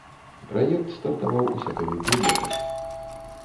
Праект стартаваў у сакавіку летась.